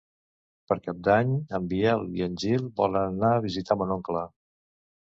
Per Cap d'Any en Biel i en Gil volen anar a visitar mon oncle.